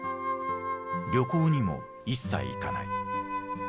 旅行にも一切行かない。